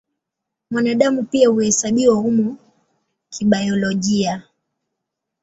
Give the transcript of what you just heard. Mwanadamu pia huhesabiwa humo kibiolojia.